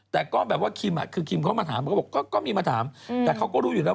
แต่ก็แบบว่าคิมอ่ะคือคิมเขามาถามเขาก็บอกก็มีมาถามแต่เขาก็รู้อยู่แล้ว